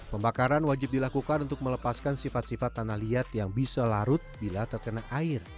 pembakaran wajib dilakukan untuk melepaskan sifat sifat tanah liat yang bisa larut bila terkena air